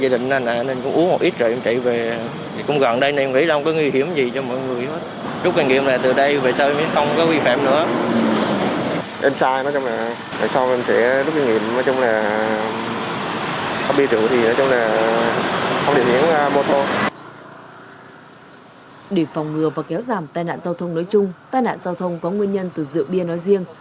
để phòng ngừa và kéo giảm tai nạn giao thông nối chung tai nạn giao thông có nguyên nhân từ rượu bia nói riêng